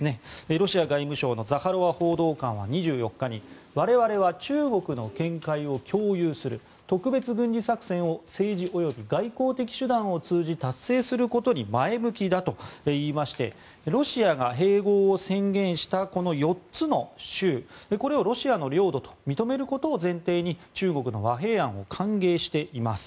ロシア外務省のザハロワ報道官は２４日に我々は中国の見解を共有する特別軍事作戦を政治及び外交的手段を通じ達成することに前向きだと言いましてロシアが併合を宣言したこの４つの州これをロシアの領土と認めることを前提に中国の和平案を歓迎しています。